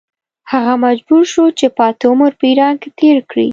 هغه مجبور شو چې پاتې عمر په ایران کې تېر کړي.